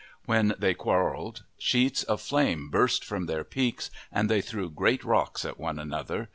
When they quarrelled, sheets of flame burst from their peaks, and they threw great rocks at one another.